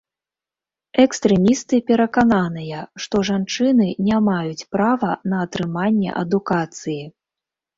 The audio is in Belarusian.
Экстрэмісты перакананыя, што жанчыны не маюць права на атрыманне адукацыі.